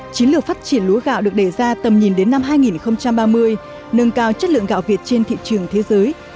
chiến lược phát triển lúa gạo được đề ra tầm nhìn đến năm hai nghìn ba mươi nâng cao chất lượng gạo việt trên thị trường thế giới